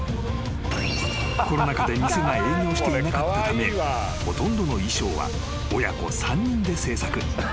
［コロナ禍で店が営業していなかったためほとんどの衣装は親子３人で制作］